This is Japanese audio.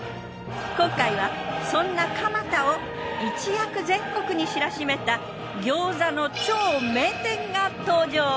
今回はそんな蒲田を一躍全国に知らしめた餃子の超名店が登場。